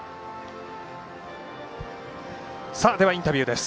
ではインタビューです。